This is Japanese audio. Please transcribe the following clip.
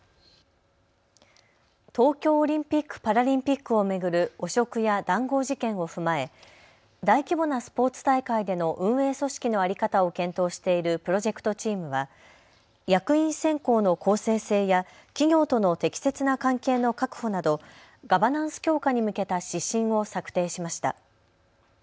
東京オリンピック・パラリンピックを巡る汚職や談合事件を踏まえ大規模なスポーツ大会での運営組織の在り方を検討しているプロジェクトチームは役員選考の公正性や企業との適切な関係の確保などガバナンス強化に向けた指針を策定しました。